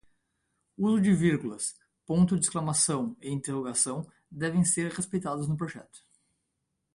Uso de vírgulas, pontos de exclamação e interrogação devem ser respeitados no projeto